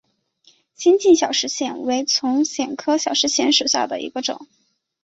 新进小石藓为丛藓科小石藓属下的一个种。